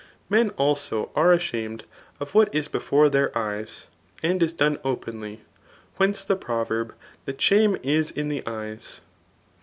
Men also are adiamed of what is before dieir eyes, and is done openly ; whence the proverb that stMie ism Ae i^lts.